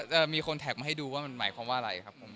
จะมีคนแท็กมาให้ดูว่ามันหมายความว่าอะไรครับผม